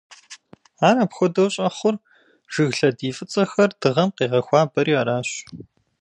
Ар апхуэдэу щӀэхъур, жыг лъэдий фӀыцӀэхэр дыгъэм къегъэхуабэри аращ.